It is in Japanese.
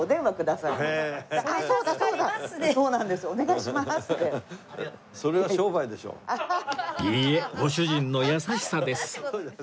いいえご主人の優しさです